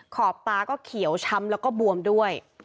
ขอบตาก็เขียวช้ำแล้วก็บวมด้วย